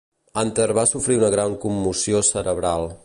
Hunter va sofrir una gran commoció cerebral.